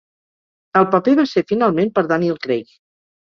El paper va ser finalment per Daniel Craig.